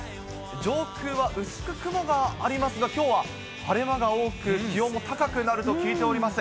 上空は薄く雲がありますが、きょうは晴れ間が多く、気温も高くなると聞いております。